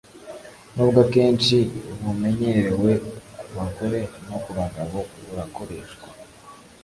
nubwo akenshi bumenyerewe ku bagore, no ku bagabo burakoreshwa